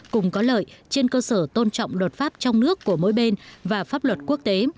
cùng có lợi trên cơ sở tôn trọng luật pháp trong nước của mỗi bên và pháp luật quốc tế